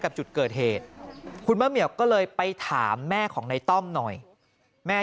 กับจุดเกิดเหตุคุณมะเหมียวก็เลยไปถามแม่ของในต้อมหน่อยแม่